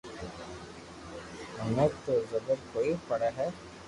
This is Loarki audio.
مني تو زبر ڪوئي پڙي ھي